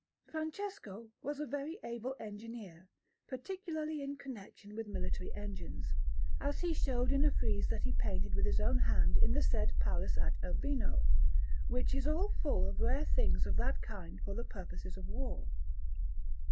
Francesco was a very able engineer, particularly in connection with military engines, as he showed in a frieze that he painted with his own hand in the said palace at Urbino, which is all full of rare things of that kind for the purposes of war.